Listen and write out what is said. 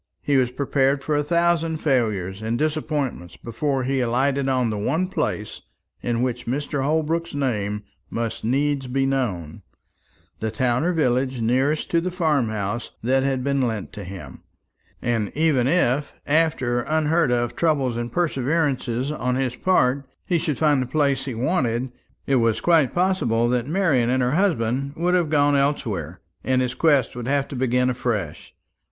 He was prepared for a thousand failures and disappointments before he alighted on the one place in which Mr. Holbrook's name must needs be known, the town or village nearest to the farm house that had been lent to him. And even if, after unheard of trouble and perseverance on his part, he should find the place he wanted, it was quite possible that Marian and her husband would have gone elsewhere, and his quest would have to begin afresh.